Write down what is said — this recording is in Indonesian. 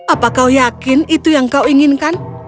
apa kau yakin itu yang kau inginkan